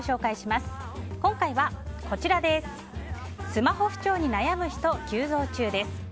スマホ不調に悩む人、急増中です。